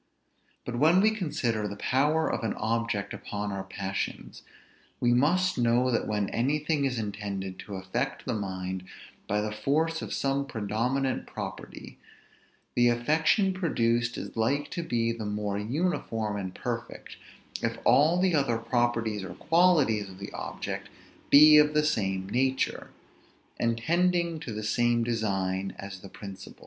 But when we consider the power of an object upon our passions, we must know that when anything is intended to affect the mind by the force of some predominant property, the affection produced is like to be the more uniform and perfect, if all the other properties or qualities of the object be of the same nature, and tending to the same design as the principal.